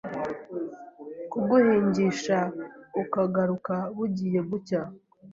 kuguhingisha ukagaruka bugiye gucya